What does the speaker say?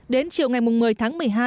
đến chiều ngày một mươi tháng một mươi hai